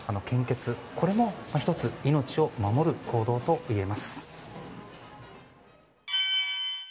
献血、これも１つ命を守る行動と言えます。